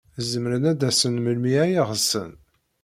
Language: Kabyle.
Zemren ad d-asen melmi ay ɣsen.